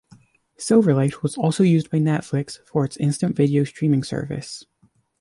Silverlight was also used by Netflix for its instant video streaming service.